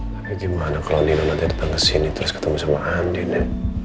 tapi gimana kalo nino nanti datang kesini terus ketemu sama andin ya